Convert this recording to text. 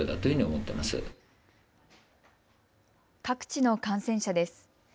各地の感染者です。